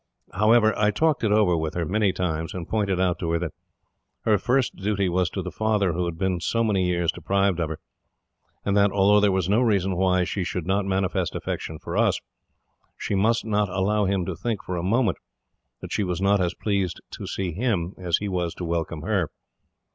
However, I talked it over with her, many times, and pointed out to her that her first duty was to the father who had been so many years deprived of her, and that, although there was no reason why she should not manifest affection for us, she must not allow him to think, for a moment, that she was not as pleased to see him as he was to welcome her.